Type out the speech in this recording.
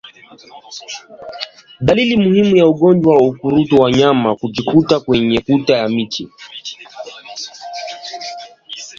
Dalili muhimu ya ugonjwa wa ukurutu ni wanyama kujikuna kwenye kuta na miti